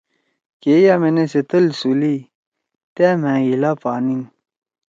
کے یأمینے سے تل سُولی تأ مھأ ہیِلا پانیِن۔